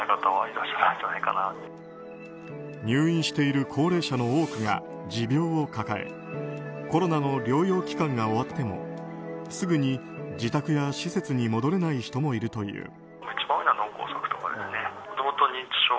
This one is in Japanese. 入院している高齢者の多くが持病を抱えコロナの療養期間が終わってもすぐに自宅や施設に戻れない人もいるという。